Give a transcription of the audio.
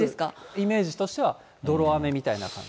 イメージとしては、泥雨みたいな感じ。